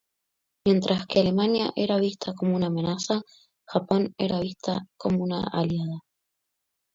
Mientras que Alemania era vista como una amenaza, Japón era vista como una aliada.